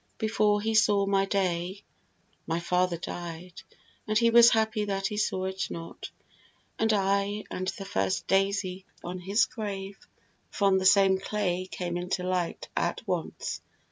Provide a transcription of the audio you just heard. Before he saw my day my father died, And he was happy that he saw it not: But I and the first daisy on his grave From the same clay came into light at once.